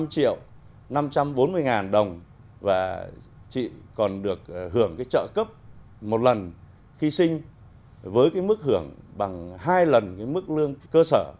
năm triệu năm trăm bốn mươi ngàn đồng và chị còn được hưởng trợ cấp một lần khi sinh với mức hưởng bằng hai lần mức lương cơ sở